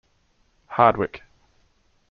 Hardwick.